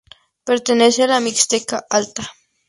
Pertenece a la Mixteca Alta.